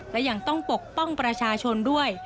และยังต้องปกป้องประชาชนด้วย